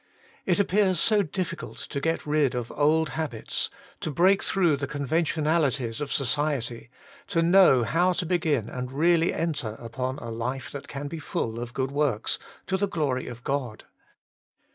It appears so difficult to get rid of old habits, to break through the conven tionalities of society, to know how to begin and really enter upon a life that can be full of good works, to the glory of God.